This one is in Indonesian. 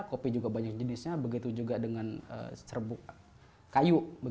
kopi juga banyak jenisnya begitu juga dengan serbuk kayu